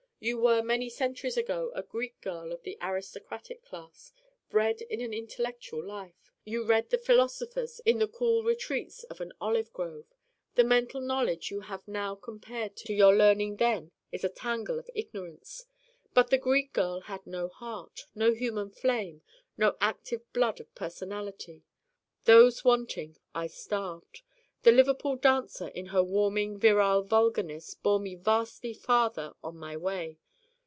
You were many centuries ago a Greek girl of the aristocratic class, bred in an intellectual life. You read the philosophers in the cool retreats of an olive grove. The mental knowledge you have now compared to your learning then is a tangle of ignorance. But the Greek girl had no heart, no human flame, no active blood of personality. Those wanting I starved. The Liverpool dancer in her warming virile vulgarness bore me vastly farther on my way.